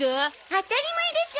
当たり前でしょ！